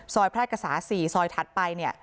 แพร่กษา๔ซอยถัดไปเนี่ย